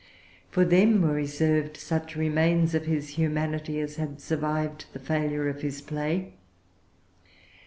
For them were reserved such remains of his humanity as had survived the failure of his play.